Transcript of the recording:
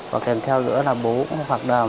và kèm theo nữa là bố cũng có phạt đờm